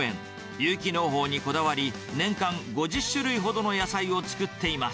有機農法にこだわり、年間５０種類ほどの野菜を作っています。